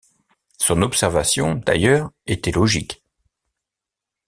Son observation, d’ailleurs, était logique.